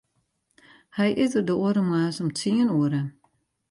Hy is der de oare moarns om tsien oere.